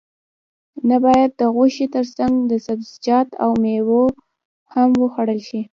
نه باید د غوښې ترڅنګ سبزیجات او میوه هم وخوړل شي